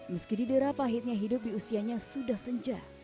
meski diderap pahitnya hidup di usianya sudah senja